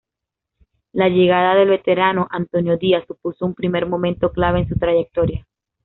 La llegada del veterano Antonio Díaz supuso un primer momento clave en su trayectoria.